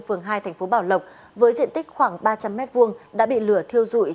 trường hai tp bảo lộc với diện tích khoảng ba trăm linh m hai đã bị lửa thiêu rụi